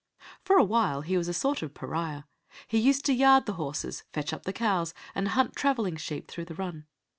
For a while he was a sort of pariah. He used to yard the horses, fetch up the cows, and hunt travelling sheep through the run.